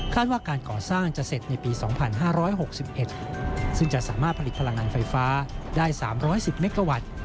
ว่าการก่อสร้างจะเสร็จในปี๒๕๖๑ซึ่งจะสามารถผลิตพลังงานไฟฟ้าได้๓๑๐เมกาวัตต์